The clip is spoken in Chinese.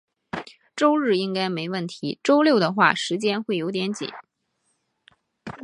周日应该没问题，周六的话，时间会有点紧。